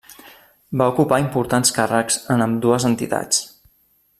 Va ocupar importants càrrecs en ambdues entitats.